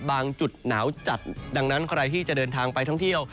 จุดหนาวจัดดังนั้นใครที่จะเดินทางไปท่องเที่ยว